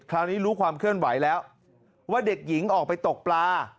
รู้ความเคลื่อนไหวแล้วว่าเด็กหญิงออกไปตกปลา